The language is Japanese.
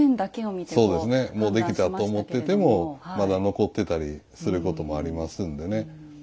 もうできたと思っててもまだ残ってたりすることもありますんでね。